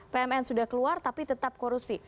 pmn sudah keluar tapi tetap korupsi